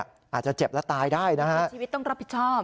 อาจจะเจ็บและตายได้นะฮะชีวิตต้องรับผิดชอบ